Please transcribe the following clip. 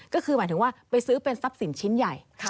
ก็คือหมายถึงว่าไปซื้อเป็นทรัพย์สินชิ้นใหญ่